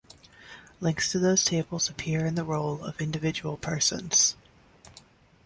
Links to those tables appear in the roll of individual persons.